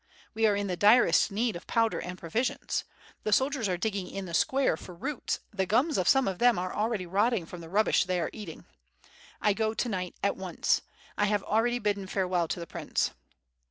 We are in the direst need of powder and provisions. The soldiers are digging in the square for roots, the gums of some of them are already rotting from the rubbish they are eating. I go to night, at once, I have already bidden farewell to the prince."